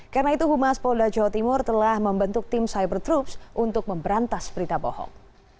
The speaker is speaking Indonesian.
karena itu humas polda jawa timur telah membentuk tim cyber troops untuk memberantas berita bohong